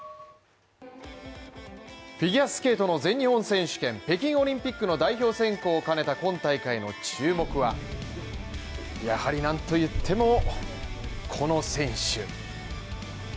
フィギュアスケートの全日本選手権北京オリンピックの代表選考を兼ねた今大会の注目は、やはり何と言ってもこの選手。